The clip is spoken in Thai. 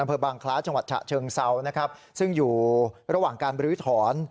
อำเภอบางคล้าจังหวัดฉะเชิงเซานะครับซึ่งอยู่ระหว่างการบรื้อถอน